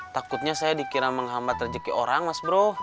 takutnya saya dikira menghambat rejeki orang mas bro